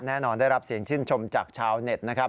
แน่นอนได้รับเสียงชื่นชมจากชาวเน็ตนะครับ